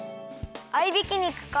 合いびき肉か。